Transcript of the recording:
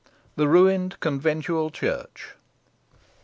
THE RUINED CONVENTUAL CHURCH.